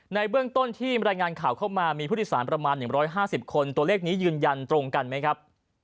ในเบื้องต้นที่รายงานข่าวเข้ามามีผู้โดยสารประมาณ๑๕๐คนตัวเลขนี้ยืนยันตรงกันไหมครับ